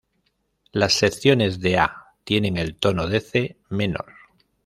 Las secciones de A tienen el tono de C menor.